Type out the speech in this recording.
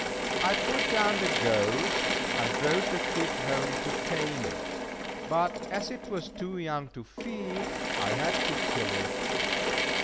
I put down the goat, and brought the kid home to tame it; but as it was too young to feed, I had to kill it.